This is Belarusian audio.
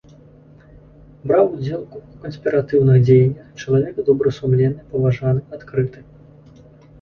Браў удзел у канспіратыўных дзеяннях, чалавек добрасумленны, паважаны, адкрыты.